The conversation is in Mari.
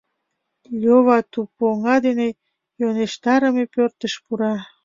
Лёва тупоҥа дене йӧнештарыме пӧртыш пура.